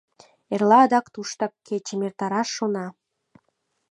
Эрла адак туштак кечым эртараш шона.